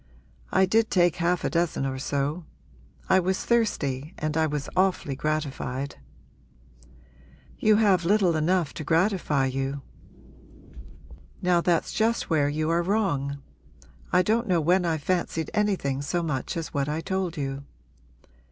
I did take half a dozen or so; I was thirsty and I was awfully gratified.' 'You have little enough to gratify you.' 'Now that's just where you are wrong. I don't know when I've fancied anything so much as what I told you.'